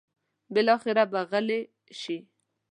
بالاخره به غلې شي.